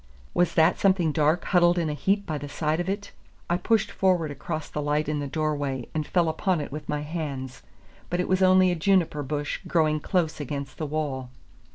Was that something dark huddled in a heap by the side of it? I pushed forward across the light in the door way, and fell upon it with my hands; but it was only a juniper bush growing close against the wall.